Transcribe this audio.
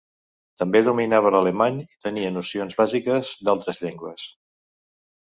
També dominava l’alemany i tenia nocions bàsiques d’altres llengües.